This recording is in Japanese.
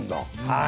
はい。